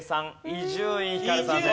伊集院光さんです。